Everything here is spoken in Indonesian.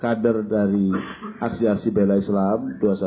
kader dari aksiasi bela islam dua ratus dua belas